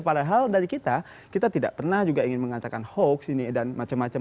padahal dari kita kita tidak pernah juga ingin mengatakan hoax ini dan macam macam